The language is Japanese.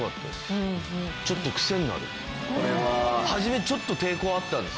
初めちょっと抵抗あったんです。